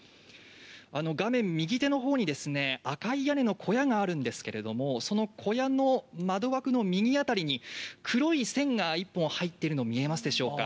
画面右手のほうに赤い屋根の小屋があるんですけれども、その小屋の窓枠の右あたりに黒い線が一本入っているのが見えますでしょうか？